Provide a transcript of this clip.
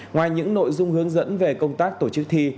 ngoài những nội dung hướng dẫn về công tác tổ chức thi